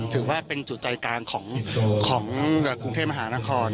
ถือว่าเป็นจุดใจกลางของกรุงเทพมหานคร